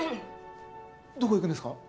どこ行くんですか？